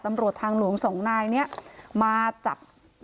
ตำรวจทางหลวงสองนายเนี่ยมาจับ